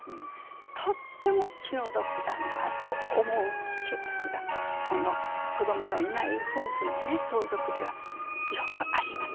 とっても気の毒だなと思うケースがこの子どもがいない夫婦の相続ではよくあります。